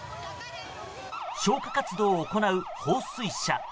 消火活動を行う放水車。